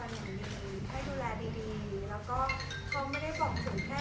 เขาจะบอกว่ามันเป็นเรื่องของเราสองคนแล้วนะ